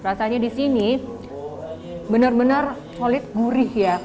rasanya di sini benar benar kulit gurih ya